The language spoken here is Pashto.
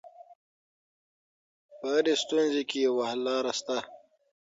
په هره ستونزه کي یوه حل لاره شته.